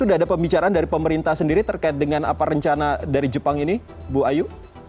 sudah ada pembicaraan dari pemerintah sendiri terkait dengan apa rencana dari jepang ini bu ayu